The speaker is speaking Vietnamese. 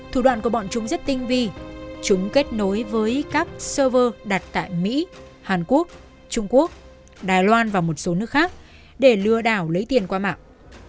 thủ đoạn của bọn chúng rất tinh vi chúng kết nối với các server đặt tại mỹ hàn quốc trung quốc đài loan và một số nước khác để lừa đảo lấy tiền qua mạng